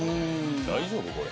大丈夫これ？